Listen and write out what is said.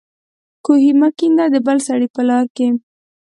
کوهي مه کېنده د بل سړي په لار کې